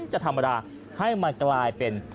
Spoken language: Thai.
จะธรรมดาให้มันกลายเป็น